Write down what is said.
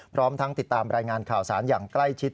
พร้อมทั้งติดตามรายงานข่าวสารอย่างใกล้ชิด